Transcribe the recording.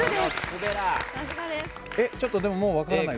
ちょっとでももう分からない。